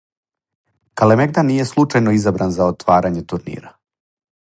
Калемегдан није случајно изабран за отварање турнира.